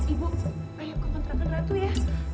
ibu ayo kontrakan ratu ya